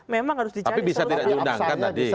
memang harus dicari tapi bisa tidak diundangkan tadi